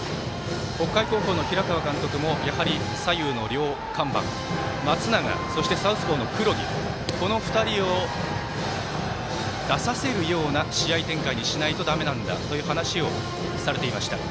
北海高校の平川監督もやはり左右の両看板松永、そしてサウスポーの黒木この２人を出させるような試合展開にしないとだめなんだという話をされていました。